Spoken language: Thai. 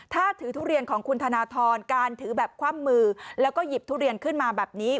ถ้าถือทุเรียนของคุณธนทรการถือแบบคว่ำมือแล้วก็หยิบทุเรียนขึ้นมาแบบนี้